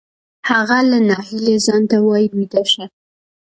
هغه له ناهیلۍ ځان ته وایی ویده شه